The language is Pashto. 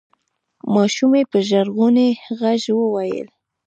ماشومې په ژړغوني غږ وویل: